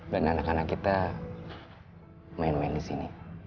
dan anak anak kita main main di sini